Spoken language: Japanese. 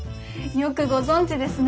よくご存じですね。